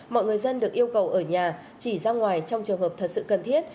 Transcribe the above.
mọi người dân được yêu cầu ở nhà chỉ ra ngoài trong trường hợp thật sự cần thiết